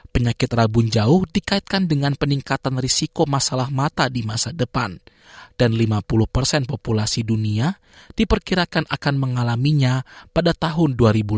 penyakit rabun jauh dikaitkan dengan peningkatan risiko masalah mata di masa depan dan lima puluh persen populasi dunia diperkirakan akan mengalaminya pada tahun dua ribu lima belas